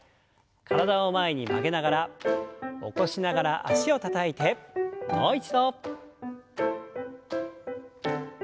体を前に曲げながら起こしながら脚をたたいてもう一度。